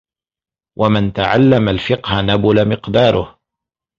وَمَنْ تَعَلَّمَ الْفِقْهَ نَبُلَ مِقْدَارُهُ